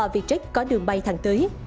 vietjet có đường bay thẳng tới